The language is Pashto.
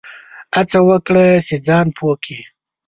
هڅه وکړه چي ځان پوه کړې !